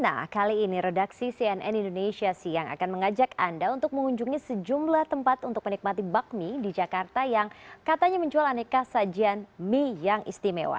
nah kali ini redaksi cnn indonesia siang akan mengajak anda untuk mengunjungi sejumlah tempat untuk menikmati bakmi di jakarta yang katanya menjual aneka sajian mie yang istimewa